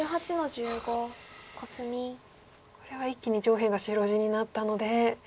これは一気に上辺が白地になったので地合いが。